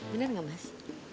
bener gak mas